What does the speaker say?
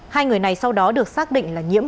hai người này sau đó được xác định là nhiễm